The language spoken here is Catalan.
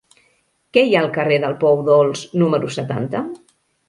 Què hi ha al carrer del Pou Dolç número setanta?